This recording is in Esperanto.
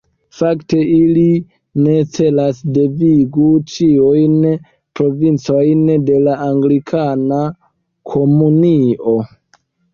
Fakte ili ne celas devigi ĉiujn provincojn de la Anglikana Komunio.